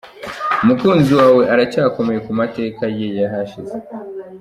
Umukunzi wawe aracyakomeye ku mateka ye y’ahashize.